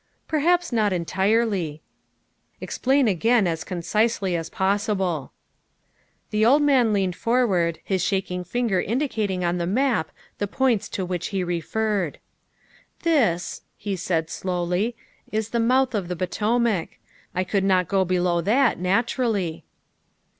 " Perhaps not entirely." " Explain again as concisely as possible." THE SECRETARY OF STATE 91 The old man leaned forward, his shaking finger indi cating on the map the points to which he referred. " This," he said slowly, " is the mouth of the Poto mac ; I could not go below that, naturally.